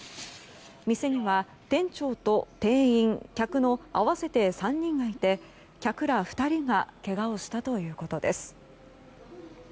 店には店長と店員、客の合わせて３人がいて客ら２人がけがをしたということです。